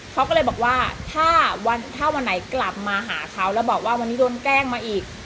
เขาก็เลยบอกว่าถ้าวันไหนกลับมาหาเขาแล้วบอกว่าวันนี้โดนแกล้งมาอีก